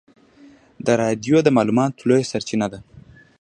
رادیو د معلوماتو لویه سرچینه ده.